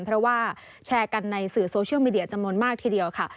เพราะว่าแชร์กันในสื่อโซเชียลมีเดียจำนวนมากทีเดียวค่ะ